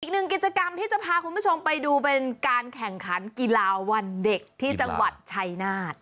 อีกหนึ่งกิจกรรมที่จะพาคุณผู้ชมไปดูเป็นการแข่งขันกีฬาวันเด็กที่จังหวัดชัยนาธ